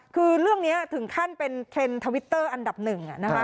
คือเรื่องนี้ถึงขั้นเป็นเทรนด์ทวิตเตอร์อันดับหนึ่งนะคะ